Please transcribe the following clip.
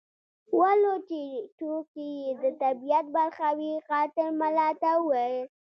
ولو چې ټوکې یې د طبیعت برخه وې قاتل ملا ته وویل.